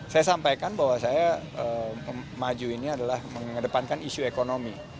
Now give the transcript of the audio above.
saya sampaikan bahwa saya maju ini adalah mengedepankan isu ekonomi